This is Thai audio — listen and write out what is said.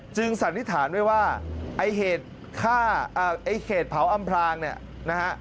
สันนิษฐานไว้ว่าไอ้เหตุฆ่าไอ้เหตุเผาอำพลางเนี่ยนะฮะ